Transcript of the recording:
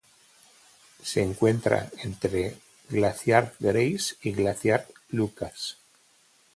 Se encuentra entre Glaciar Grace y Glaciar Lucas.